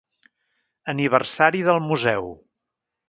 Aniversari del Museu.